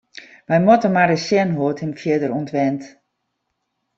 Wy moatte mar ris sjen hoe't it him fierder ûntwynt.